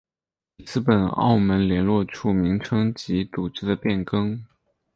里斯本澳门联络处名称及组织的变更。